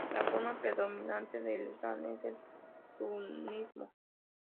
La forma predominante del islam es el sunismo.